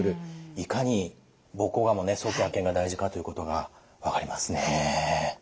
いかに膀胱がんも早期発見が大事かということが分かりますね。